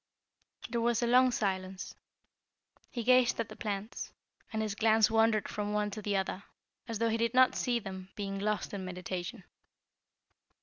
There was a long silence. He gazed at the plants, and his glance wandered from one to the other, as though he did not see them, being lost in meditation.